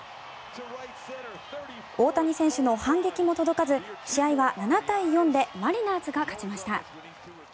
大谷選手の反撃も届かず試合は７対４でマリナーズが勝ちました。